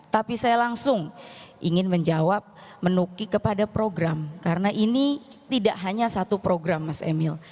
tapi saya langsung ingin menjawab menuki kepada program karena ini tidak hanya satu program mas emil